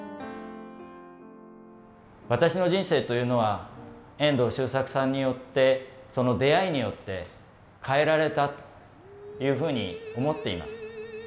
私の人生というのは遠藤周作さんによってその出会いによって変えられたというふうに思っています。